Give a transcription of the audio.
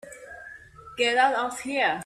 Get out of here.